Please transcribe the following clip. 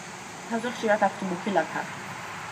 თავზე ხშირად აქვთ მუქი ლაქა.